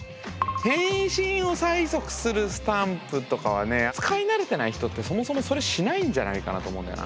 返信を催促するスタンプとかはね使い慣れてない人ってそもそもそれしないんじゃないかなと思うんだよな。